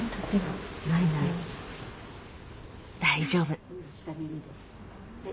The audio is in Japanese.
大丈夫。